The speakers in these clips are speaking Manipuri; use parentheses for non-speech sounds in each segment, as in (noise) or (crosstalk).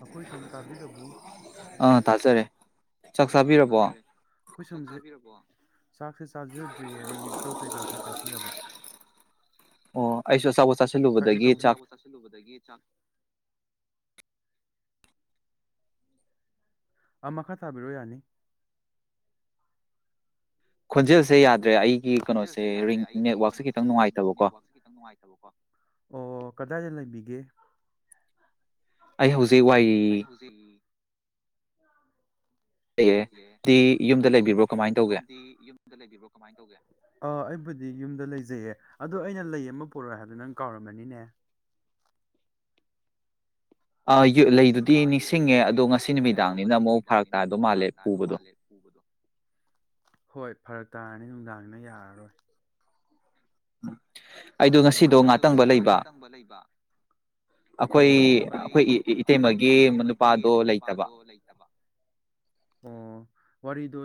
ꯑꯩꯈꯣꯏ ꯁꯣꯝ ꯇꯥꯕꯤꯔꯕꯣ ꯇꯖꯔꯦ ꯆꯥꯛ ꯆꯥꯕꯤꯔꯕꯣ ꯑꯩꯈꯣꯏ ꯁꯣꯝꯖꯤ ꯆꯥꯕꯤꯔꯕꯣ ꯆꯥꯛꯁꯦ ꯆꯥꯖꯗ꯭ꯔꯤꯌꯦ ꯑꯩ ꯀꯩꯀꯥ ꯈꯔ ꯆꯥꯁꯤꯜꯂꯕ ꯑꯣ ꯑꯩꯁꯨ ꯑꯆꯥꯕꯣꯠ ꯆꯥꯁꯤꯜꯂꯨꯕꯗꯒꯤ ꯆꯥꯛ ꯆꯥꯛ ꯑ ꯃꯈꯥ ꯊꯥꯕꯤꯔꯣ ꯌꯥꯅꯤ ꯈꯣꯟꯖꯦꯜꯁꯦ ꯌꯥꯗ ꯈꯣꯟꯖꯦꯜꯁꯦ ꯌꯥꯗ꯭ꯔꯦ ꯑꯩꯒꯤ ꯀꯩꯅꯣꯁꯦ ꯔꯤꯡ ꯅꯦꯠꯋꯔꯥꯛꯁꯦ ꯈꯤꯇꯪ ꯅꯨꯡꯉꯥꯏꯇꯕꯀꯣ ꯑꯣ ꯀꯗꯥꯏꯗ ꯂꯩ ꯕꯤꯒꯦ ꯑꯩ ꯍꯧꯖꯤꯛ ꯋꯥꯏ ꯎ (unintelligible) ꯑꯗꯣ ꯁꯣꯝꯗꯤ ꯌꯨꯝꯗ ꯂꯩꯕꯤꯕ꯭ꯔꯣ ꯀꯃꯥꯏꯅ ꯇꯧꯒꯦ ꯑꯥ ꯑꯩꯕꯨꯗꯤ ꯌꯨꯝꯗ ꯂꯩꯖꯩꯌꯦ ꯑꯗꯣ ꯑꯩꯅ ꯂꯩ ꯑꯃ ꯄꯨꯔꯛꯑꯣ ꯍꯥꯏꯕꯗ ꯅꯪ ꯀꯥꯎꯔꯝꯃꯅꯤꯅꯦ ꯑꯥ ꯂꯩꯗꯨꯗꯤ ꯅꯤꯡꯁꯤꯡꯉꯦ ꯑꯗꯣ ꯉꯁꯤ ꯅꯨꯃꯤꯗꯥꯡꯅꯤꯅ ꯑꯃꯨꯛ ꯐꯥꯔꯛ ꯇꯥꯗꯧ ꯃꯥꯜꯂꯦ ꯄꯨꯕꯗꯣ ꯍꯣꯏ ꯐꯔꯛ ꯇꯥꯔꯅꯤ ꯅꯨꯡꯗꯥꯡꯅ ꯌꯥꯔꯔꯣꯏ ꯎꯝ ꯑꯩꯗꯣ ꯉꯁꯤꯗꯣ ꯉꯥꯛꯇꯪꯕ ꯂꯩꯕ ꯑꯩꯈꯣꯏ ꯑꯩꯈꯣꯏ ꯏꯇꯩꯃꯒꯤ ꯅꯨꯄꯥꯗꯣ ꯂꯩꯇꯕ ꯑꯣ ꯋꯥꯔꯤꯗꯣ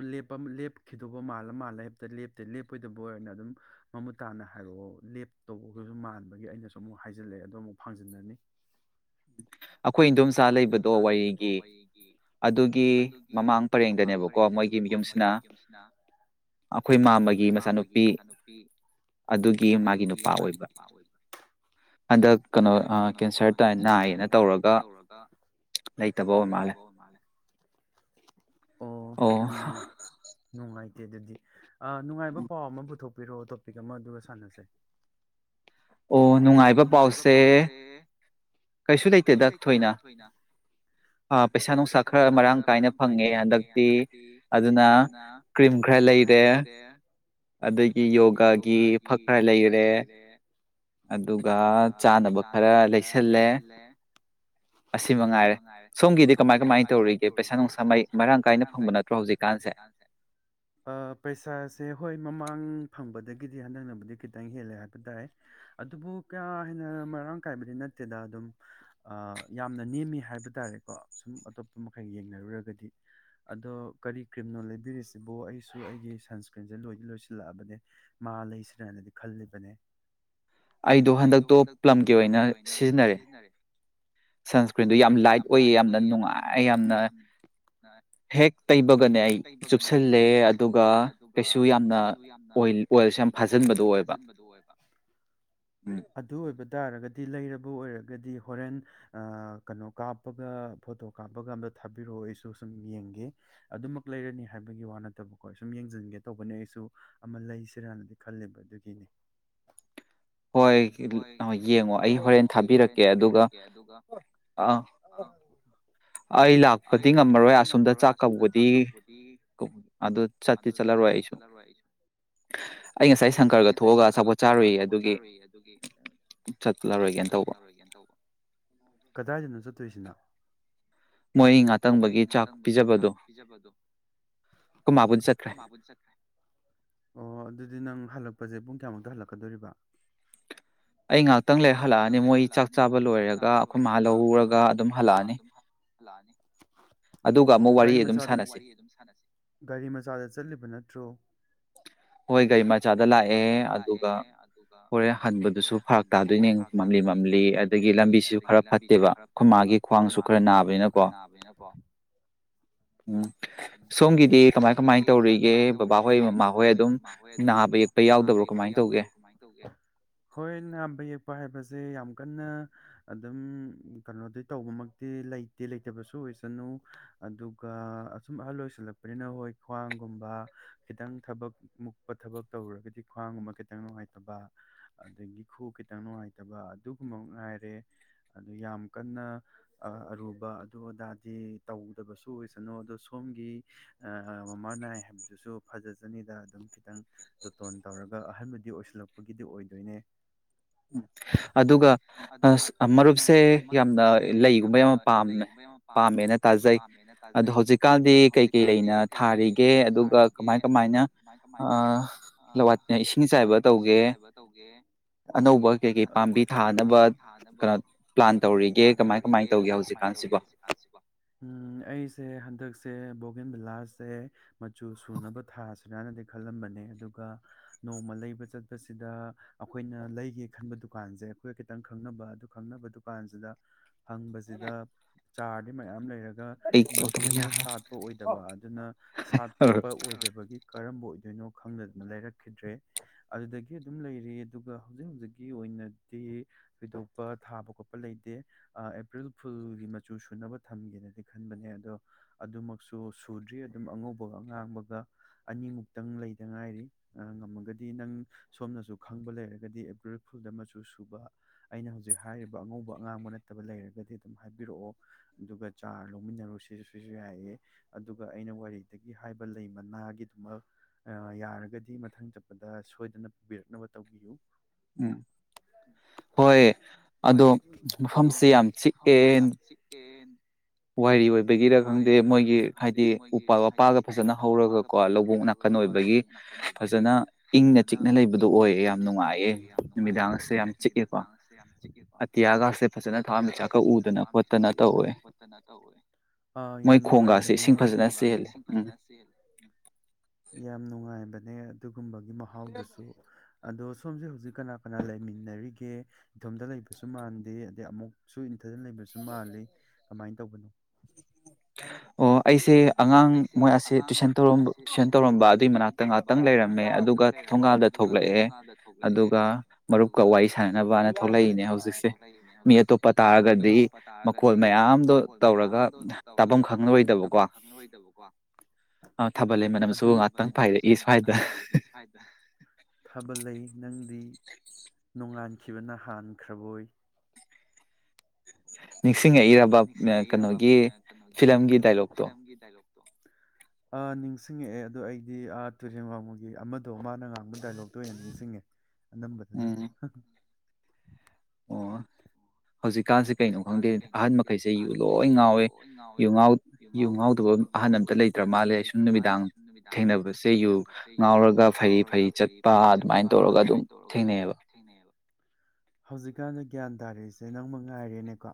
ꯂꯦꯞꯈꯤꯗꯧꯕ ꯃꯥꯜꯂ ꯃꯥꯜꯂ ꯍꯦꯞꯇ ꯂꯦꯞꯇꯦ ꯂꯦꯞꯄꯣꯏꯗꯕ ꯑꯣꯏꯔꯅ ꯑꯗꯨꯝ ꯃꯃꯨꯠ ꯇꯥꯅ ꯍꯥꯏꯔꯛꯑꯣ ꯂꯦꯞ ꯇꯧꯕꯈꯁꯨ ꯃꯥꯟꯕꯒꯤ ꯑꯩꯅꯁꯨ ꯑꯃꯨꯛ ꯍꯥꯏꯖꯤꯜꯂꯛꯑꯦ ꯑꯗꯣ ꯑꯃꯨꯛ ꯐꯥꯡꯖꯤꯟꯅꯅꯤ ꯑꯩꯈꯣꯏ ꯏꯗꯣꯝꯆꯥ ꯂꯩꯕꯗꯣ ꯋꯥꯇꯔꯤꯒꯤ ꯑꯗꯨꯒꯤ ꯃꯃꯥꯡ ꯄꯔꯦꯡꯗꯅꯦꯕꯀꯣ ꯃꯣꯏꯒꯤ ꯌꯨꯝꯁꯤꯅ ꯑꯩꯈꯣꯏ ꯃꯥꯝꯃꯒꯤ ꯃꯆꯥꯅꯨꯄꯤ ꯑꯗꯨꯒꯤ ꯃꯥꯒꯤ ꯅꯨ ꯄꯥ ꯑꯣꯏꯕ ꯍꯟꯗꯛ ꯀꯩꯅꯣ ꯀꯦꯟꯁꯔ ꯇꯥꯏ ꯅꯥꯏꯌꯦꯅ ꯑꯣ ꯌꯥꯝ ꯅꯨꯡꯉꯥꯏ ꯅꯨꯡꯉꯥꯢ ꯇꯦ ꯑꯗꯨꯗꯤ ꯅꯨꯡꯉꯥꯏꯕ ꯄꯥꯎ ꯑꯃ ꯄꯨꯊꯣꯛꯄ ꯄꯤꯔꯛꯑꯣ ꯇꯣꯄꯤꯛ ꯑꯃ ꯑꯗꯨꯒ ꯁꯥꯟꯅꯁꯦ ꯑꯣ ꯅꯨꯡꯉꯥꯏꯕ ꯄꯥꯎꯁꯦ ꯀꯩꯁꯨ ꯂꯩꯇꯦ ꯗ ꯊꯣꯏꯅ ꯄꯩꯁꯥ ꯅꯨꯡꯁꯥ ꯈꯔ ꯃꯔꯥꯡ ꯀꯥꯏꯅ ꯐꯪꯉꯦ ꯍꯟꯗꯛꯇꯤ ꯑꯗꯨꯅ ꯀ꯭ꯔꯤꯝ ꯈꯔ ꯂꯩꯔꯦ ꯑꯗꯒꯤ ꯌꯣꯒꯥꯒꯤ ꯐꯛ ꯈꯔ ꯂꯩꯔꯦ ꯑꯗꯨꯒ ꯆꯥꯅꯕ ꯈꯔ ꯂꯩꯁꯤꯜ ꯂꯦꯁꯜꯂꯦ ꯑꯁꯤ ꯃ ꯉꯥꯏꯔꯦ ꯁꯣꯝꯒꯤꯗꯤ ꯀꯃꯥꯏ ꯀꯃꯥꯏ ꯇꯧꯔꯤꯒꯦ ꯄꯩꯁꯥ ꯅꯨꯡꯁꯥ ꯃꯩ ꯃꯔꯥꯡ ꯀꯥꯏꯅ ꯐꯪꯕ ꯅꯠꯇ꯭ꯔꯣ ꯍꯧꯖꯤꯛꯀꯥꯟꯁꯦ ꯄꯩꯁꯥꯁꯦ ꯍꯣꯏ ꯃꯃꯥꯡ ꯐꯪꯕꯗꯒꯤ ꯗꯤ ꯍꯟꯗꯛꯅꯕꯨꯗꯤ ꯈꯤ ꯈꯤꯇꯪ ꯍꯦꯜꯂꯦ ꯍꯥꯏꯕ ꯇꯥꯔꯦ ꯑꯗꯨꯕꯨ ꯀꯥ ꯍꯦꯟꯅ ꯃꯔꯥꯡ ꯀꯥꯏꯕꯗꯤ ꯅꯠꯇꯦꯗ ꯑꯗꯨꯝ ꯌꯥꯝꯅ ꯅꯦꯝꯃꯤ ꯍꯥꯏꯕ ꯇꯥꯔꯦꯀꯣ ꯁꯨꯝ ꯑꯇꯣꯞꯄ ꯃꯈꯩ ꯌꯦꯡꯅꯔꯨꯔꯒꯗꯤ ꯑꯗꯣ ꯀꯔꯤ ꯀ꯭ꯔꯤꯝꯅꯣ ꯂꯩꯕꯤꯔꯤꯁꯤꯕꯨ ꯑꯩꯁꯨ ꯑꯩꯒꯤ ꯁꯟꯁ꯭ꯀ꯭ꯔꯤꯟꯁꯦ ꯂꯣꯏꯗꯤ ꯂꯣꯏꯁꯤꯜꯂꯛꯑꯕꯅꯦ ꯃꯥ ꯂꯩꯁꯤꯔꯅꯗꯤ ꯈꯜꯂꯤꯕꯅꯦ ꯑꯩꯗꯣ ꯍꯟꯗꯛꯇꯣ ꯄꯂꯝꯂꯝꯒꯤ ꯑꯣꯏꯅ ꯁꯤꯖꯤꯟꯅꯔꯦ ꯁꯟꯁꯀ꯭ꯔꯤꯟꯗ ꯌꯥꯝ ꯂꯥꯏꯠ ꯑꯣꯏꯌꯦ ꯌꯥꯝꯅ ꯅꯨꯡꯉꯥꯏ ꯌꯥꯝꯅ ꯍꯦꯛ ꯇꯩꯕꯒꯅꯦ ꯑꯩ ꯆꯨꯞꯁꯜꯂꯦ ꯑꯗꯨꯒ ꯀꯩꯁꯨ ꯌꯥꯝꯅ ꯑꯣꯏꯜ ꯑꯣꯏꯜꯁꯨ ꯌꯥꯝ ꯐꯥꯖꯤꯟꯕꯗꯣ ꯑꯣꯏꯕ ꯑꯗꯨ ꯑꯣꯏꯕ ꯇꯥꯔꯒꯗꯤ ꯂꯩꯔ ꯕꯨ ꯑꯣꯏꯔꯒꯗꯤ ꯍꯣꯔꯦꯟ ꯑ ꯀꯩꯅꯣ ꯀꯥꯞꯄꯒ ꯐꯣꯇꯣ ꯀꯥꯞꯄꯒ ꯑꯝꯇ ꯊꯥꯕꯤꯔꯛꯑꯣ ꯑꯩꯁꯨ ꯁꯨꯝ ꯌꯦꯡꯒꯦ ꯑꯗꯨꯃꯛ ꯂꯩꯔꯅꯤ ꯍꯥꯏꯕꯒꯤ ꯋꯥ ꯅꯠꯇꯕꯀꯣ ꯁꯨꯝ ꯌꯦꯡꯖꯟꯒꯦ ꯇꯧꯕꯅꯦ ꯑꯩꯁꯨ ꯑꯃ ꯂꯩꯁꯤꯔꯅꯗꯤ ꯈꯜꯂꯤꯕ ꯑꯗꯨꯒꯤꯅꯦ ꯍꯣꯏ ꯌꯦꯡꯉꯣ ꯑꯩ ꯍꯣꯔꯦꯟ ꯊꯥꯕꯤꯔꯛꯀꯦ ꯑꯗꯨꯒ ꯑ ꯑꯩ ꯂꯥꯛꯄꯗꯤ ꯉꯝꯃꯔꯣꯏ ꯑꯁꯣꯝꯗ ꯆꯥꯛ ꯀꯧꯕꯗꯤ ꯑꯗꯨ ꯆꯠꯇꯤ ꯆꯠꯂꯔꯣꯏ ꯑꯩꯁꯨ ꯑꯩ ꯉꯁꯥꯏ ꯁꯪꯀꯔꯒ ꯊꯣꯛꯑꯒ ꯑꯆꯥꯄꯣꯠ ꯆꯥꯔꯨꯏꯌꯦ ꯑꯗꯨꯒꯤ ꯑꯗꯨꯒꯤ ꯆꯠꯂꯔꯣꯏꯅ ꯇꯧꯕ ꯀꯗꯥꯏꯗꯅꯣ ꯆꯠ ꯇꯣꯢꯁꯤꯅ ꯃꯣꯏ ꯉꯥꯇꯪꯕꯒꯤ ꯆꯥꯛ ꯄꯤꯖꯕꯗꯣ ꯑꯩꯈꯣꯢ ꯃꯥꯕꯨꯗꯤ ꯆꯠꯈ꯭ꯔꯦ ꯑꯣ ꯑꯗꯨꯗꯤ ꯅꯪ ꯍꯜꯂꯛ ꯄꯁꯦꯠ ꯄꯨꯡ ꯀꯌꯥꯃꯨꯛꯇ ꯍꯜꯂꯛꯀꯗꯣꯔꯤꯕ ꯑꯩ ꯉꯥꯏꯍꯥꯛꯇꯪ ꯂꯩꯔ ꯍꯜꯂꯛꯑꯅꯤ ꯃꯣꯏ ꯆꯥꯛ ꯆꯥꯕ ꯂꯣꯏꯔꯒ ꯑꯩꯈꯣꯏ ꯃꯥ ꯂꯧꯔꯒ ꯑꯗꯨꯝ ꯍꯜꯂꯛꯑꯅꯤ ꯑꯣ ꯒꯥꯔꯤ ꯃꯆꯥꯗ ꯑꯗꯨꯒ ꯑꯃꯨꯛ ꯋꯥꯔꯤ ꯑꯗꯨꯝ ꯁꯥꯟꯅꯁꯤ ꯒꯥꯔꯤ ꯃꯆꯥꯗ ꯆꯠꯂꯤꯕ ꯅꯠꯇ꯭ꯔꯣ ꯍꯣꯏ ꯒꯥꯔꯤ ꯃꯆꯥꯗ ꯂꯥꯛꯑꯦ ꯑꯗꯨꯒ ꯍꯣꯔꯦꯟ ꯍꯟ ꯕꯗꯨꯁꯨ ꯐꯥꯔꯛ ꯇꯥꯗꯣꯏꯅꯦ ꯃꯝꯂꯤ ꯃꯝꯂꯤ ꯑꯗꯒꯤ ꯂꯝꯕꯤꯁꯤꯁꯨ ꯈꯔꯥ ꯐꯠꯇꯦꯕ ꯑꯈꯣꯏ ꯃꯥꯒꯤ ꯈ꯭ꯋꯥꯡꯁꯨ ꯈꯔꯥ ꯅꯥꯕꯅꯤꯅꯀꯣ ꯎꯝ ꯁꯣꯝꯒꯤꯗꯤ ꯀꯃꯥꯏ ꯀꯃꯥꯏꯅ ꯇꯧꯔꯤꯒꯦ ꯕꯕꯥ ꯍꯣꯏ ꯃꯃꯥ ꯍꯣꯏ ꯑꯩ ꯃꯃꯥꯍꯣꯏ ꯑꯗꯨꯝ ꯅꯥꯕ ꯌꯦꯛꯄ ꯌꯥꯎꯗꯕ꯭ꯔꯣ ꯀꯃꯥꯏ ꯇꯧꯒꯦ ꯍꯣꯏ ꯅꯥꯕ ꯌꯦꯛꯄ ꯍꯥꯏꯕꯁꯦ ꯌꯥꯝ ꯀꯟꯅ ꯑꯗꯨꯝ ꯀꯅꯣꯗꯤ ꯇꯧꯕꯃꯛꯇꯤ ꯂꯩꯇꯦ ꯂꯩꯇꯕꯁꯨ ꯑꯣꯏꯁꯅꯨ ꯑꯗꯨꯒ ꯑꯁꯨꯝ ꯑꯍꯜ ꯑꯣꯏꯁꯜꯂꯛꯄꯅꯤꯅ ꯍꯣꯏ ꯈ꯭ꯋꯥꯡꯒꯨꯝꯕ ꯈꯤꯇꯪ ꯊꯕꯛ ꯃꯨꯛꯄ ꯊꯕꯛ ꯇꯧꯔꯨꯔꯒꯗꯤ ꯈ꯭ꯋꯥꯡꯒꯨꯝꯕ ꯈꯤꯇꯪ ꯅꯨꯡꯉꯥꯏꯇꯕ ꯑꯗꯒꯤ ꯈꯨ ꯈꯤꯇꯪ ꯅꯨꯡꯉꯥꯏꯇꯕ ꯑꯗꯨꯒꯨꯝꯕ ꯉꯥꯏꯔꯦ ꯑꯗꯨ ꯌꯥꯝ ꯀꯟꯅ ꯑꯔꯨꯕ ꯑꯗꯨ ꯑꯗꯥꯗꯤ ꯇꯧꯗꯕꯁꯨ ꯑꯣꯏꯁꯅꯨ ꯑꯗꯣ ꯁꯣꯝꯒꯤ ꯃꯃꯥꯟ ꯅꯥꯏ ꯍꯥꯏꯕꯗꯨꯁꯨ ꯐꯖꯖꯅꯤꯗ ꯑꯗꯨꯝ ꯈꯤꯇꯪ ꯖꯇꯣꯟ ꯇꯧꯔꯒ ꯑꯍꯟꯕꯗꯤ ꯑꯣꯏꯁꯜꯂꯛꯄꯒꯤꯗꯤ ꯑꯣꯏꯗ (unintelligible) ꯑꯗꯨꯒ ꯑ ꯃꯔꯨꯞꯁꯦ ꯌꯥꯝꯅ ꯂꯩꯒꯨꯝꯕ ꯌꯥꯝꯅ ꯄꯥꯝꯃꯦ ꯄꯥꯝꯃꯦꯅ ꯇꯥꯖꯩ ꯑꯗꯣ ꯍꯧꯖꯤꯛꯀꯥꯟꯗꯤ ꯀꯩꯀꯩ ꯂꯩꯅ ꯊꯥꯔꯤꯒꯦ ꯑꯗꯨꯒ ꯀꯃꯥꯏ ꯀꯃꯥꯏꯅꯋꯥ ꯏꯁꯤꯡ ꯆꯥꯏꯕ ꯇꯧꯒꯦ ꯑꯣ ꯑꯅꯧꯕꯩ ꯄꯥꯝꯕꯤ ꯊꯥꯅꯕ ꯄ꯭ꯂꯥꯟ ꯇꯧꯔꯤꯒꯦ ꯇꯦ ꯍꯧꯣ ꯎ ꯑꯩꯁꯦ ꯍꯟꯗꯛꯁꯦ ꯑꯦꯕꯦꯟꯗ ꯂꯥꯁꯁꯦ ꯃꯆꯨ ꯁꯨꯅꯕ ꯊꯥꯁꯤꯔꯅꯗꯤ ꯈꯜꯂꯝꯕꯅꯦ ꯑꯗꯨꯒ ꯅꯣꯡꯃ ꯂꯩꯕ ꯆꯠꯄꯁꯤꯗ ꯑꯩꯈꯣꯏꯅ ꯂꯩꯒꯦ ꯈꯟꯕ ꯗꯨꯀꯥꯟꯁꯦ ꯑꯩꯈꯣꯏꯒ ꯈꯤꯇꯪ ꯈꯪꯅꯕ ꯑꯗꯨ ꯈꯪꯅꯕ ꯗꯨꯀꯥꯟꯁꯤꯗ ꯍꯪꯕꯁꯤꯗ ꯆꯥꯔꯠ ꯃꯌꯥꯝ ꯂꯩꯔꯒ ꯃꯆꯨꯁꯤꯅ ꯁꯥꯠꯄ ꯑꯣꯏꯗꯕ ꯑꯗꯨꯅ ꯁꯥꯠꯄ ꯑꯣꯏꯗꯕꯒꯤ ꯀꯔꯝꯕ ꯑꯣꯏꯗꯣꯏꯅꯣ ꯈꯪꯗꯗꯅ ꯂꯩꯔꯛꯈꯤꯗ꯭ꯔꯦ ꯑꯗꯨꯗꯒꯤ ꯑꯗꯨꯝ ꯂꯩ ꯑꯗꯨꯒ ꯍꯧꯖꯤꯛ ꯍꯧꯖꯤꯛꯀꯤ ꯑꯣꯏꯅꯗꯤ ꯊꯣꯏꯗꯣꯛꯄ ꯊꯥꯕ ꯈꯣꯠꯄ ꯂꯩꯇꯦ ꯑꯦꯄ꯭ꯔꯤꯜ ꯐꯨꯜꯒꯤ ꯃꯆꯨ ꯁꯨꯅꯕ ꯊꯝꯒꯦꯅꯗꯤ ꯈꯟꯕꯅꯦ ꯑꯗꯣ ꯑꯗꯨꯃꯛꯁꯨ ꯁꯨꯗ꯭ꯔꯤ ꯑꯗꯨꯝ ꯑꯉꯧꯕꯒ ꯑꯉꯥꯡꯕꯒ ꯑꯅꯤꯃꯨꯛꯇꯪ ꯂꯩꯗ ꯉꯥꯏꯔꯤ ꯉꯝꯃꯒꯗꯤ ꯅꯪ ꯁꯣꯝꯅꯁꯨ ꯈꯪꯕ ꯂꯩꯔꯒꯗꯤ ꯑꯦꯕ꯭ ꯐꯨꯜ ꯃꯆꯨ ꯁꯨꯕ ꯑꯩꯅ ꯍꯧꯖꯤꯛ ꯍꯥꯏꯔꯤꯕ ꯑꯉꯧꯕ ꯑꯉꯥꯡꯕ ꯅꯠꯇꯕ ꯂꯩꯔꯒꯗꯤ ꯑꯗꯨꯝ ꯍꯥꯏꯕꯤꯔꯛꯑꯣ ꯑꯗꯨꯒ ꯆꯥꯔ ꯂꯧꯃꯤꯟꯅꯔꯨ ꯁꯤꯁꯨ ꯁꯤꯁꯨ ꯌꯥꯏꯌꯦ ꯑꯗꯨꯒ ꯑꯩꯅ ꯋꯥꯔꯤꯗꯒꯤ ꯍꯥꯏꯕ ꯂꯩ ꯃꯅꯥꯒꯤꯗꯨꯃꯛ ꯌꯥꯔꯒꯗꯤ ꯃꯊꯪ ꯆꯠꯄꯗ ꯁꯣꯏꯗꯅ ꯄꯨꯕꯤꯔꯛꯅꯕ ꯇꯧꯕꯤꯌꯨ ꯎꯝ ꯍꯣꯏ ꯑꯗꯣ ꯃꯐꯝꯁꯦ ꯌꯥꯝ ꯆꯤꯛꯑꯦ ꯋꯥꯏꯔꯤ ꯑꯣꯏꯕꯒꯤꯔ ꯈꯪꯗꯦ ꯃꯣꯏꯒꯤ ꯍꯥꯏꯗꯤ ꯎꯄꯥꯜ ꯋꯥꯄꯥꯜꯒ ꯐꯖꯅ ꯍꯧꯔꯒꯀꯣ ꯂꯧꯕꯨꯛ ꯅꯥꯀꯟ ꯑꯣꯏꯕꯒꯤ ꯐꯖꯅ ꯏꯪꯅ ꯆꯤꯛꯅ ꯂꯩꯕꯗꯣ ꯑꯣꯏꯌꯦ ꯌꯥꯝ ꯂꯩꯕꯗꯣ ꯑꯣꯏꯌꯦ ꯌꯥꯝ ꯅꯨꯡꯉꯥꯏꯌꯦ ꯅꯨꯃꯤꯗꯥꯡ ꯍꯛꯆꯥꯡꯁꯦ ꯌꯥꯝ ꯆꯤꯛꯦꯀꯣ ꯑꯇꯤꯌꯥꯒꯁꯦ ꯐꯖꯅ ꯊꯥꯃꯤꯁꯥꯛ ꯀꯛ ꯎꯗꯅꯣ ꯇ ꯑꯥ ꯌꯥꯝ ꯅꯨꯡꯉꯥꯏꯕꯅꯦ ꯐ ꯌꯥꯝ ꯅꯨꯡꯉꯥꯏꯕꯅꯦ ꯑꯗꯨꯒꯨꯝꯕ ꯒꯤ ꯃꯍꯥꯎꯗꯁꯨ ꯑꯗꯣ ꯁꯣꯝꯁꯦ ꯍꯧꯖꯤꯛ ꯀꯅꯥ ꯀꯅꯥ ꯂꯩꯃꯤꯟꯅꯔꯤꯒꯦ ꯏꯊꯣꯝꯗ ꯂꯩꯕꯁꯨ ꯃꯥꯟꯗꯦ ꯑꯗꯩ ꯑꯃꯨꯛꯁꯨ ꯊꯅ ꯂꯩꯕꯁꯨ ꯃꯥꯜꯂꯤ ꯇꯧꯕꯅꯣ ꯑꯣ ꯑꯩꯁꯦ ꯑꯉꯥꯡ ꯃꯣꯏ ꯑꯁꯦ ꯇꯨꯏꯁꯟ ꯇꯧꯔ ꯇꯨꯏꯁꯟ ꯇꯧꯔꯝꯕ ꯑꯗꯨꯏ ꯃꯅꯥꯛꯇ ꯉꯍꯥꯛꯇꯪ ꯂꯩꯔꯝꯃꯦ ꯑꯗꯨꯒ ꯊꯣꯡꯒꯥꯜꯗ ꯊꯣꯛꯂꯛꯑꯦ ꯑꯗꯨꯒ ꯃꯔꯨꯞꯀ ꯋꯥꯔꯤ ꯁꯥꯟꯅꯅꯕꯅ ꯊꯣꯛꯂꯛꯏꯅꯦ ꯍꯧꯖꯤꯛꯁꯦ ꯃꯤ ꯑꯇꯣꯞꯄ ꯇꯥꯔꯒꯗꯤ ꯃꯈꯣꯜ ꯃꯌꯥꯝꯗꯣ ꯇꯧꯔꯒ ꯇꯥꯐꯝ ꯈꯪꯔꯣꯏꯗꯕꯀꯣ ꯑꯗꯨ ꯊꯥꯕꯜꯃꯅꯝꯁꯨ ꯉꯥꯛꯇꯪ ꯄꯥꯏꯔꯛꯏ ꯁ꯭ꯋꯥꯏꯗ ꯂꯩ ꯅꯪꯗꯤ ꯅꯣꯡꯉꯥꯟꯈꯤꯕꯅ ꯍꯥꯟꯈ꯭ꯔꯕꯣꯏ ꯅꯤꯡꯁꯤꯡꯉꯛꯏꯔꯕ ꯀꯩꯅꯣꯒꯤ ꯐꯤꯂꯝꯒꯤ ꯗꯥꯏꯂꯣꯛꯇꯣ ꯅꯤꯡꯁꯤꯡꯉꯛꯑꯦ ꯑꯗꯣ ꯑꯩꯗꯤ ꯇꯨꯔꯦꯟ ꯋꯥꯡꯃꯒꯤ ꯑꯃꯗꯣ ꯃꯥꯅ ꯉꯥꯡꯕ ꯗꯥꯏꯂꯣꯛꯇꯣ ꯑꯣꯏꯅ ꯅꯤꯡꯁꯤꯡꯉꯦ ꯅꯝꯕꯗꯨꯅ ꯍꯧꯖꯤꯛꯀꯥꯟꯁꯦ ꯀꯩꯅꯣ ꯈꯪꯗꯦ ꯑꯍꯟ ꯃꯈꯩꯁꯦ ꯌꯨ ꯂꯣꯏ ꯉꯥꯎꯋꯦ ꯌꯨ ꯉ ꯌꯨ ꯉꯥꯎꯗꯕ ꯑꯍꯟ ꯑꯝꯇ ꯂꯩꯇ꯭ꯔ ꯃꯥꯜꯂꯦ ꯑꯁꯨꯝ ꯅꯨꯃꯤꯗꯥꯡ ꯊꯦꯡꯅꯕꯁꯦ ꯌꯨ ꯉꯥꯎꯔꯒ ꯐꯩ ꯐꯩ ꯆꯠꯄ ꯑꯗꯨꯃꯥꯏꯅ ꯇꯧꯔꯒ ꯑꯗꯨꯝ ꯊꯦꯡꯅꯩꯌꯦꯕ ꯍꯧꯖꯤꯛꯀꯥꯟꯅ ꯒ꯭ꯌꯥꯟ ꯇꯥꯔꯛꯏꯁꯦ ꯅꯪ ꯉꯥꯏꯔꯦꯅꯦꯀꯣ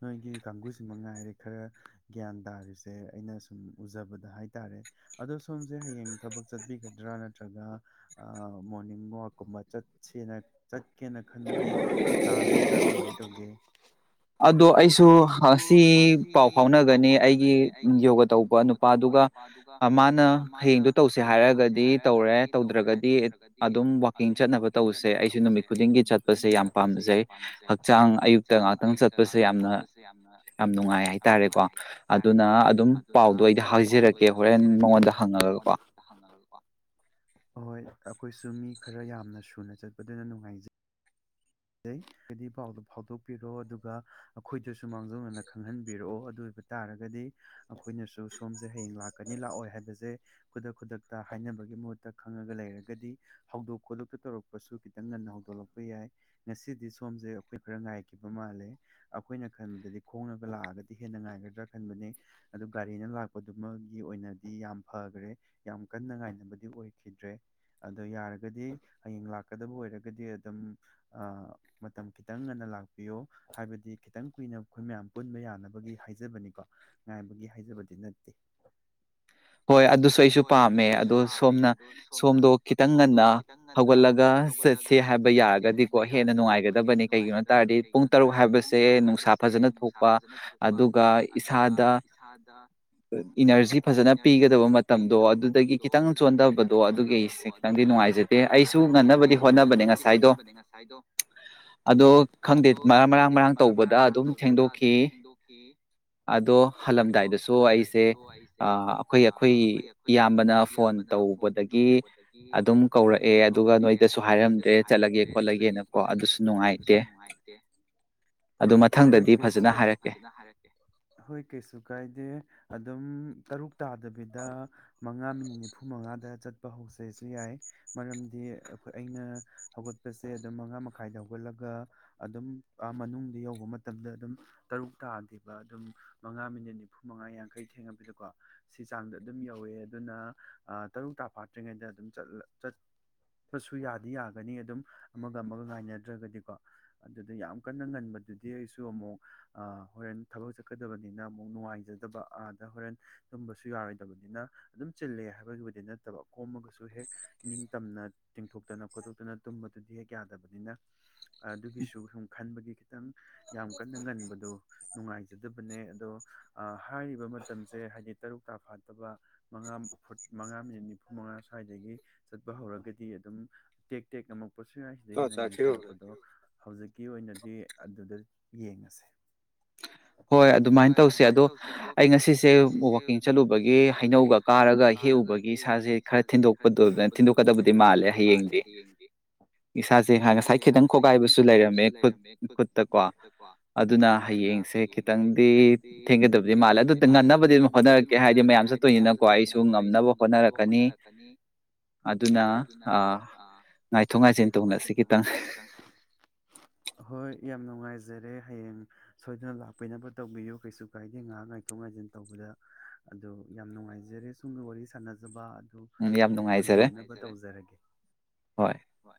ꯅꯣꯏꯒꯤ ꯀꯥꯡꯕꯨꯨꯁꯤꯃ ꯉꯥꯏꯔꯦ ꯈꯔ ꯒ꯭ꯌꯥꯟ ꯇꯥꯔꯤꯁꯦ ꯑꯩꯅ ꯁꯨꯝ ꯎꯖꯕꯗ ꯍꯥꯏꯇꯥꯔꯦ ꯑꯗꯣ ꯁꯣꯝꯁꯦ ꯍꯌꯦꯡ ꯊꯕꯛ ꯆꯠꯕꯤꯒꯗ꯭ꯔꯥ ꯅꯠꯇ꯭ꯔꯒ ꯃꯣꯔꯅꯤꯡ ꯋꯥꯛꯀꯨꯝꯕ ꯆꯠꯁꯦꯅ ꯀꯦꯅ ꯈꯟꯕꯒꯤ ꯄ꯭ꯂꯥꯟ ꯂꯩꯕ꯭ꯔꯥ ꯀꯃꯥꯏꯅ ꯇꯧꯒꯦ ꯑꯗꯣ ꯑꯩꯁꯨ ꯁꯤ ꯄꯥꯎ ꯐꯥꯎꯅꯒꯅꯤ ꯑꯩꯒꯤ ꯌꯣꯒ ꯇꯧꯕ ꯅꯨꯄꯥꯗꯨꯒ ꯃꯥꯅ ꯍꯌꯦꯡꯗꯨꯣ ꯇꯧꯁꯦ ꯍꯥꯏꯔꯒꯗꯤ ꯇꯧꯔꯦ ꯇꯧꯗ꯭ꯔꯒꯗꯤ ꯑꯗꯨꯝ ꯋꯥꯋꯥꯛꯀꯤꯡ ꯆꯠꯅꯕ ꯇꯧꯁꯦ ꯑꯩꯁꯨ ꯅꯨꯃꯤꯠ ꯈꯨꯗꯤꯡꯒꯤ ꯆꯠꯄꯁꯦ ꯌꯥꯝ ꯄꯥꯝꯖꯩ ꯍꯛꯆꯥꯡ ꯑꯌꯨꯛ ꯑꯥꯡ ꯉꯥꯏꯍꯥꯛꯇꯪ ꯆꯠꯄꯁꯦ ꯌꯥꯝꯅ ꯌꯥꯝ ꯅꯨꯡꯉꯥꯏ ꯍꯥꯏꯇꯥꯔꯦꯀꯣ ꯑꯗꯨꯅ ꯑꯗꯨꯝ ꯄꯥꯎꯗ ꯍꯥꯏꯖꯔꯀꯦ ꯍꯣꯔꯦꯟ ꯅꯉꯣꯟꯗꯀꯣ ꯑꯍꯣꯏ ꯑꯩꯈꯣꯏꯁꯨ ꯃꯤ ꯈꯔ ꯌꯥꯝꯅ ꯁꯨꯅ ꯆꯠꯄꯗꯨꯅ ꯅꯨꯡꯉꯥꯏꯖꯩ ꯖꯩ ꯍꯥꯏꯗꯤ ꯄꯥꯎꯗꯨ ꯐꯥꯎꯗꯣꯛꯄꯤꯔꯣ ꯑꯗꯨꯒ ꯑꯩꯈꯣꯏ ꯑꯗꯨꯁꯨ ꯃꯥꯡꯖꯧꯅꯅ ꯈꯪꯍꯟꯕꯤꯔꯛꯑꯣ ꯑꯗꯨ ꯑꯣꯏꯕ ꯇꯥꯔꯒꯗꯤ ꯑꯩꯈꯣꯏꯅꯁꯨ ꯁꯣꯝꯁꯦ ꯍꯌꯦꯡ ꯂꯥꯛꯀꯅꯤ ꯂꯥꯛꯑꯣꯏ ꯍꯥꯏꯕꯁꯦ ꯈꯨꯗꯛ ꯈꯨꯗꯛꯇ ꯍꯥꯏꯅꯕꯒꯤ ꯃꯍꯨꯠꯇ ꯈꯪꯉꯒ ꯂꯩꯔꯒꯗꯤ ꯍꯧꯗꯣꯛ ꯈꯣꯗꯣꯛꯇ ꯇꯧꯔꯛꯄꯁꯨ ꯈꯤꯇꯪ ꯉꯟꯅ ꯍꯧꯗꯣꯛꯂꯛꯄ ꯌꯥꯏ ꯉꯁꯤꯗꯤ ꯁꯣꯝꯁꯦ ꯑꯩꯈꯣꯏ ꯈꯔ ꯉꯥꯏꯈꯤꯕ ꯃꯥꯜꯂꯦ ꯑꯩꯈꯣꯏꯅ ꯈꯟꯕꯗꯗꯤ ꯈꯣꯡꯉꯒ ꯂꯥꯛꯑꯒꯗꯤ ꯍꯦꯟꯅ ꯉꯥꯏꯒꯗ꯭ꯔꯥ ꯈꯟꯕꯅꯤ ꯑꯗꯨꯗ ꯒꯥꯔꯤꯅ ꯂꯥꯛꯄꯗꯨꯃꯒꯤ ꯑꯣꯏꯅꯗꯤ ꯌꯥꯝ ꯐꯈ꯭ꯔꯦ ꯌꯥꯝ ꯀꯟꯅ ꯉꯥꯏꯅꯕꯗꯤ ꯑꯣꯏꯈꯤꯗ꯭ꯔꯦ ꯑꯗꯣ ꯌꯥꯔꯒꯗꯤ ꯍꯌꯦꯡ ꯂꯥꯛꯀꯗꯕ ꯑꯣꯏꯔꯒꯗꯤ ꯑꯗꯨꯝ ꯃꯇꯝ ꯈꯤꯇꯪ ꯉꯟꯅ ꯂꯥꯛꯄꯤꯌꯣ ꯍꯥꯏꯕꯗꯤ ꯈꯤꯇꯪ ꯀꯨꯏꯅ ꯑꯩꯈꯣꯏ ꯃꯌꯥꯝ ꯄꯨꯟꯕ ꯌꯥꯅꯕꯒꯤ ꯍꯥꯏꯖꯕꯅꯤꯀꯣ ꯉꯥꯏꯕꯒꯤ ꯍꯥꯏꯖꯕꯗꯤ ꯅꯠꯇꯦ ꯍꯣꯏ ꯑꯗꯨꯁꯨ ꯑꯩꯁꯨ ꯄꯥꯝꯃꯦ ꯑꯗꯣ ꯁꯣꯝꯅ ꯁꯣꯝꯗꯣ ꯈꯤꯇꯪ ꯉꯟꯅ ꯍꯧꯒꯠꯂꯒ ꯆꯠꯁꯦ ꯍꯥꯏꯕ ꯌꯥꯔꯒꯗꯤꯀꯣ ꯍꯦꯟꯅ ꯅꯨꯡꯉꯥꯏꯒꯗꯕꯅꯤ ꯀꯩꯒꯤꯅꯣ ꯍꯥꯏ ꯇꯥꯔꯗꯤ ꯄꯨꯡ ꯇꯔꯨꯛ ꯍꯥꯏꯕꯁꯦ ꯅꯨꯡꯁꯥ ꯐꯖꯅ ꯊꯣꯛꯄ ꯑꯗꯨꯒ ꯏꯁꯥꯗ ꯏꯅꯔꯖꯤ ꯐꯖꯅ ꯄꯤꯒꯗꯕꯣ ꯄꯤꯒꯗꯕ ꯃꯇꯝꯗꯣ ꯑꯗꯨꯗꯒꯤ ꯈꯤꯇꯪ ꯆꯣꯟꯊꯕꯗꯣ ꯑꯗꯨꯒꯤꯁꯇꯪꯗꯤ ꯅꯨꯡꯉꯥꯏꯖꯗꯦ ꯑꯩꯁꯨ ꯉꯟꯅꯕꯗꯤ ꯍꯣꯠꯅꯕꯅꯦ ꯉꯁꯥꯏꯗꯣ ꯑꯗꯣ ꯈꯪꯗꯦ ꯃꯔ ꯃꯔꯥꯡ ꯃꯔꯥꯡ ꯇꯧꯕꯗ ꯑꯗꯨꯝ ꯊꯦꯡꯗꯣꯛꯈꯤ ꯑꯗꯣ ꯍꯜꯂꯝꯗꯥꯏꯗꯁꯨ ꯑꯩꯁꯦ ꯍ ꯑꯩꯈꯣꯏ ꯑꯩꯈꯣꯏ ꯏꯌꯥꯝꯕꯅ ꯐꯣꯟ ꯇꯧꯕꯗꯒꯤ ꯑꯗꯨꯝ ꯀꯧꯔꯛꯑꯦ ꯑꯗꯨꯒ ꯅꯣꯏꯗꯁꯨ ꯍꯥꯏꯔꯝꯗꯦ ꯆꯠꯂꯒꯦ ꯈꯣꯠꯂꯒꯦꯅꯀꯣ ꯑꯗꯨꯁꯨ ꯅꯨꯡꯉꯥꯏꯇꯦ ꯃꯊꯪꯗꯗꯤ ꯐꯖ ꯍꯥꯏꯔꯀꯦꯏ ꯀꯩꯁꯨ ꯀꯥꯏꯗꯦ ꯑꯗꯨꯝ ꯇꯔꯨꯛ ꯇꯥꯗꯕꯤꯗ ꯃꯉꯥ ꯃꯤꯅꯤꯠ ꯅꯤꯐꯨ ꯃꯉꯥꯗ ꯆꯠꯄ ꯍꯧꯁꯁꯨ ꯌꯥꯏ ꯃꯔꯝꯗꯤ ꯑꯩꯈꯣꯏ ꯑꯩꯅ ꯍꯧꯒꯠꯄꯁꯦ ꯑꯗꯨꯝ ꯃꯉꯥ ꯃꯈꯥꯏꯗ ꯍꯧꯒꯠꯂꯒ ꯑꯗꯨꯝ ꯃꯅꯨꯡꯗ ꯌꯧꯕ ꯃꯇꯝꯗ ꯑꯗꯨꯝ ꯇꯔꯨꯛ ꯇꯥꯗꯦꯕ ꯑꯗꯨꯝ ꯃꯉꯥ ꯃꯤꯅꯤꯠ ꯅꯤꯐꯨ ꯃꯉꯥ ꯌꯥꯡꯈꯩ ꯊꯦꯡꯉꯕꯤꯗꯀꯣ ꯁꯤ ꯆꯥꯡꯗꯝ ꯑꯗꯨꯝ ꯌꯧꯋꯦ ꯑꯗꯨꯅ ꯇꯔꯨꯛ ꯇꯥ ꯐꯥꯠꯇ꯭ꯔꯤꯉꯩꯗ ꯑꯗꯨꯝ ꯆꯠꯄꯁꯨ ꯌꯥꯗꯤ ꯌꯥꯒꯅꯤ ꯑꯗꯨꯝ ꯑꯃꯒ ꯑꯃꯒ ꯉꯥꯏꯅꯗ꯭ꯔꯒꯗꯤꯀꯣ ꯑꯗꯨꯗ ꯌꯥꯝ ꯀꯟꯅ ꯉꯟꯕꯗꯨꯗꯤ ꯑꯩꯁꯨ ꯑꯃꯨꯛ ꯍꯣꯔꯦꯟ ꯊꯕꯛ ꯆꯠꯀꯗꯕꯅꯤꯅ ꯑꯃꯨꯛ ꯅꯨꯡꯉꯥꯏꯖꯗꯕ ꯑꯥꯗ ꯍꯣꯔꯦꯟ ꯇꯨꯝꯕꯁꯨ ꯌꯥꯔꯣꯏ ꯅꯠꯇꯕꯅꯤꯅ ꯑꯗꯨꯝ ꯆꯤꯜꯂꯦ ꯍꯥꯏꯕꯒꯤꯕꯨꯗꯤ ꯅꯠꯇꯕ ꯀꯣꯝꯃꯒꯁꯨ ꯍꯦꯛ ꯏꯅꯤꯡꯇꯝꯅ ꯇꯤꯡꯊꯣꯛꯇꯅ ꯈꯣꯠꯇꯣꯛꯇꯅ ꯇꯨꯝꯕꯗꯨꯗꯤ ꯍꯦꯛ ꯌꯥꯗꯕꯅꯤꯅ ꯑꯗꯨꯒꯤꯁꯨ ꯁꯨꯝ ꯈꯟꯕꯒꯤ ꯈꯤꯇꯪ ꯌꯥꯝ ꯀꯟꯅ ꯉꯟꯕꯗꯣ ꯅꯨꯡꯉꯥꯏꯖꯗꯕꯅꯦ ꯑꯗꯣ ꯍꯥꯏꯔꯤꯕ ꯃꯇꯝꯁꯦ ꯍꯥꯏꯗꯤ ꯇꯔꯨꯛ ꯐꯠꯇꯕ ꯃꯉꯥ ꯐꯨꯠ ꯃꯉꯥ ꯃꯤꯅꯤꯠ ꯅꯤꯐꯨ ꯃꯉꯥ ꯁ꯭ꯋꯥꯏꯗꯒꯤ ꯆꯠꯄ ꯍꯧꯔꯒꯗꯤ ꯑꯗꯨꯝ ꯇꯦꯛ ꯇꯦꯛ ꯑꯃꯨ ꯄꯣꯠꯁꯨꯌꯥꯏꯁꯤꯗꯒꯤ ꯍꯦꯟꯅ ꯉꯟꯈꯠꯂꯛꯄꯗꯣ ꯍꯧꯖꯤꯛ ꯀ ꯑꯣꯏꯅꯗꯤ ꯑꯗꯨꯗ ꯌꯦꯡꯉꯁꯦ ꯍꯣꯏ ꯑꯗꯨꯃꯥꯏꯅ ꯇꯧꯁꯦ ꯑꯗꯣ ꯑꯩ ꯉꯁꯤꯁꯦ ꯋꯀꯤꯡ ꯆꯠꯂꯨꯕꯒꯤ ꯆꯠꯂꯨꯕꯒꯤ ꯍꯩꯅꯧꯒ ꯀꯥꯔꯒ ꯍꯦꯛꯎꯨꯕꯒꯤ ꯏꯁꯥꯁꯦ ꯈꯔ ꯊꯤꯟꯗꯣꯛꯄꯗꯅ ꯊꯤꯟꯗꯣꯛꯀꯗꯕꯗꯤ ꯃꯥꯜꯂꯦ ꯍꯌꯦꯡꯗꯤ ꯏꯁꯥꯁꯦ ꯉꯁꯥꯏ ꯈꯤꯇꯪ ꯈꯣꯒꯥꯏꯕꯁꯨ ꯂꯩꯔꯝꯃꯦ ꯈꯨꯠ ꯈꯨꯠꯇ ꯀꯣ ꯑꯗꯨꯅ ꯍꯌꯦꯡ ꯈꯤꯇꯪꯗꯤ ꯊꯦꯡꯒꯗꯕꯗꯤ ꯃꯥꯜꯂꯦ ꯑꯗꯨꯗ ꯉꯟꯅꯕꯗꯤ ꯑꯗꯨꯝ ꯍꯣꯠꯅꯔꯛꯀꯦ ꯍꯥꯏꯗꯤ ꯦ ꯍꯥꯏꯗꯤ ꯃꯌꯥꯝ ꯆꯠꯇꯣꯏꯅꯤꯅꯀꯣ ꯑꯩꯁꯨ ꯉꯝꯅꯕ ꯍꯣꯠꯅꯔꯛꯀꯅꯤ ꯑꯗꯨꯅ ꯉꯥꯏꯊꯣꯛ ꯉꯥꯏꯁꯤꯟ ꯇꯧꯅꯁꯤ ꯈꯤꯇꯪ ꯌꯥꯝ ꯅꯨꯡꯉꯥꯏꯖꯔꯦ ꯍꯌꯦꯡ ꯁꯣꯏꯗꯅ ꯂꯥꯛꯄꯤꯅꯕ ꯇꯧꯕꯤꯌꯨ ꯀꯩꯁꯨ ꯀꯥꯏꯗꯦ ꯉꯥꯏꯍꯥꯛ ꯉꯥꯏꯊꯣꯛ ꯉꯥꯏꯁꯤꯟ ꯇꯧꯕꯗ ꯑꯗꯣ ꯌꯥꯝ ꯅꯨꯡꯉꯥꯏꯖꯔꯦ ꯁꯨꯝꯅ ꯋꯥꯔꯤ ꯁꯥꯟꯅꯖꯕ ꯑꯗꯨ ꯑꯩ ꯊꯝꯖꯅꯕ ꯇꯧꯖꯔꯒꯦ ꯍ